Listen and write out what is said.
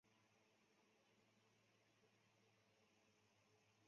他擅长蛙泳项目。